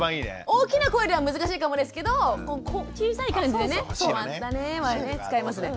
大きな声では難しいかもですけど小さい感じでね「こまったね」はね使えますね。